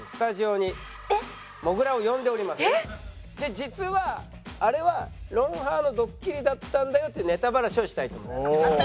実はあれは『ロンハー』のドッキリだったんだよというネタバラシをしたいと思います。